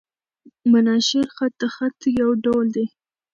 مناشیر خط؛ د خط یو ډول دﺉ.